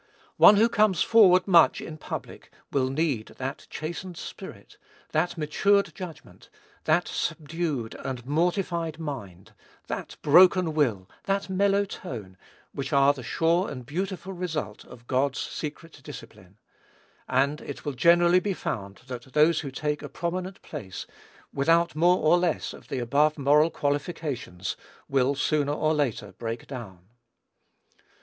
One who comes forward much in public will need that chastened spirit, that matured judgment, that subdued and mortified mind, that broken will, that mellow tone, which are the sure and beautiful result of God's secret discipline; and it will generally be found that those who take a prominent place without more or less of the above moral qualifications, will sooner or later break down.